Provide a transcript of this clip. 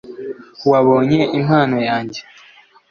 wabonye impano yanjye